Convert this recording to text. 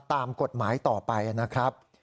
ตามกฎหมายต่อไปนะครับ